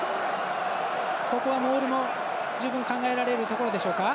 ここはモールも十分考えられるところでしょうか。